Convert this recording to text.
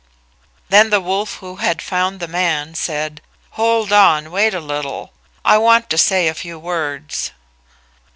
Then the wolf who had found the man said, "Hold on; wait a little; I want to say a few words."